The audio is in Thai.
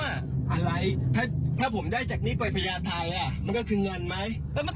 อะไรถ้าผมได้จากนี้ไปพญาไทยมันก็คือเงินไหม